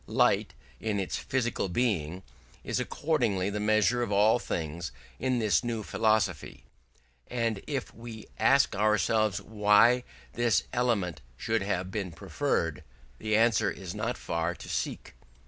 Light, in its physical being, is accordingly the measure of all things in this new philosophy: and if we ask ourselves why this element should have been preferred, the answer is not far to seek.